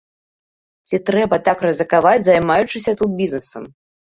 Ці трэба так рызыкаваць, займаючыся тут бізнэсам?